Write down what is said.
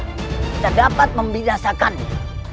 kita dapat membinasakannya